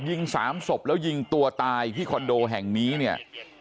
ยิงสามศพแล้วยิงตัวตายที่คอนโดแห่งนี้เนี่ย